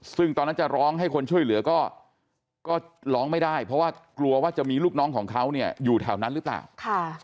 ซึ่งตอนนั้นจะร้องให้คนช่วยเหลือก็ร้องไม่ได้เพราะว่ากลัวว่าจะมีลูกน้องของเขาเนี่ยอยู่แถวนั้นหรือเปล่าค่ะ